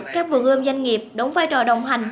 các vườn ươm doanh nghiệp đóng vai trò đồng hành